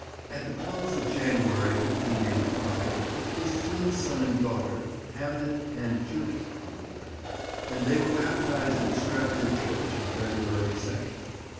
At the close of January 1585, his twin son and daughter, Hamnet and Judith were born, and they were baptized at Stratford church on February 2nd.